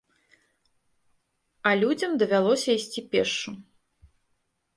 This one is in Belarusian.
А людзям давялося ісці пешшу.